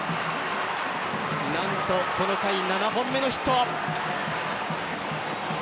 なんと、この回７本目のヒット。